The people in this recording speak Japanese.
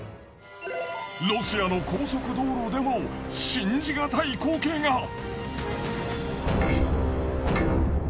ロシアの高速道路でも信じがたい光景が。